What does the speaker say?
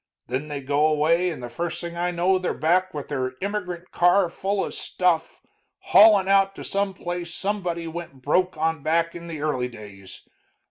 Then they go away, and the first thing I know they're back with their immigrant car full of stuff, haulin' out to some place somebody went broke on back in the early days.